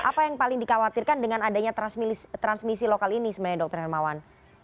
apa yang paling dikhawatirkan dengan adanya transmisi lokal ini sebenarnya dr hermawan